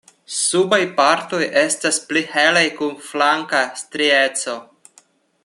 Subaj partoj estas pli helaj kun flanka strieco.